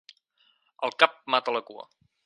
El cap mata la cua.